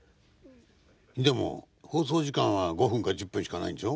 でも放送時間は５分か１０分しかないんでしょ。